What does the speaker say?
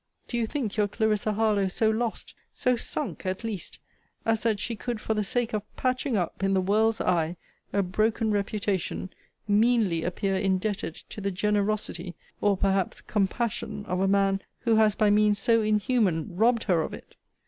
Do you think your Clarissa Harlowe so lost, so sunk, at least, as that she could, for the sake of patching up, in the world's eye, a broken reputation, meanly appear indebted to the generosity, or perhaps compassion, of a man, who has, by means so inhuman, robbed her of it?